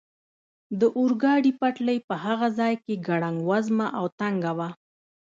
د اورګاډي پټلۍ په هغه ځای کې ګړنګ وزمه او تنګه وه.